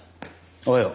おはよう。